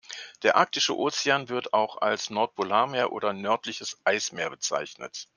Der Arktische Ozean, wird auch als Nordpolarmeer oder nördliches Eismeer bezeichnet.